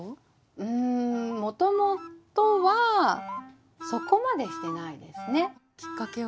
うんもともとはそこまでしてないですね。きっかけは？